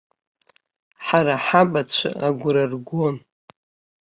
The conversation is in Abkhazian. Ҳара ҳабацәа агәра ргон.